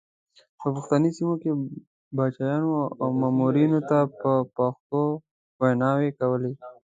په پښتني سیمو کې پاچا او مامورینو ته په پښتو ویناوې کولې.